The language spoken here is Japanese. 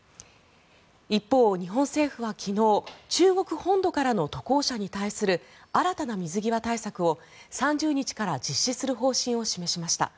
一方、日本政府は昨日中国本土からの渡航者に対する新たな水際対策を３０日から実施する方針を示しました。